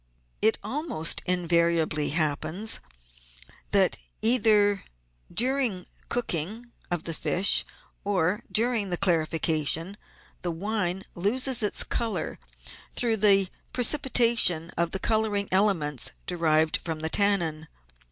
It almost invariably happens that, either during the cook ing of the fish or during the clarification, the wine loses its colour through the precipitation of the colouring elements de rived from the tannin.